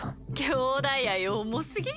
兄弟愛重すぎ。